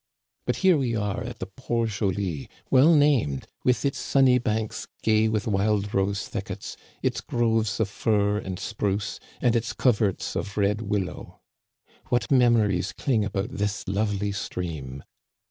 But here we are at the Port Joli, well named, with its sunny banks gay with wild rose thickets, its groves of fir and spruce, and its coverts of red willow. What memories cling about this lovely stream